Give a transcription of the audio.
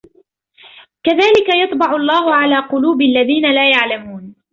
كذلك يطبع الله على قلوب الذين لا يعلمون